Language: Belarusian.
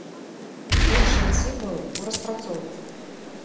Іншыя сімвалы ў распрацоўцы.